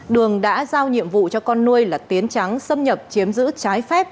đường đã giao nhiệm vụ cho con nuôi là tiến trắng xâm nhập chiếm giữ trái phép